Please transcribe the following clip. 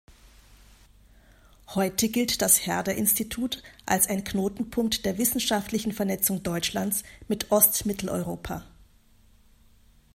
Heute gilt das Herder-Institut als ein Knotenpunkt der wissenschaftlichen Vernetzung Deutschlands mit Ostmitteleuropa.